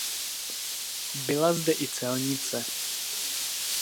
Byla zde i celnice.